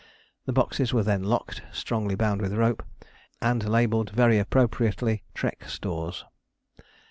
The boxes were then locked, strongly bound with rope, and labelled very appropriately, "Trek Stores."